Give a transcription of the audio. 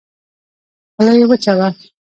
خوله يې وچه وه.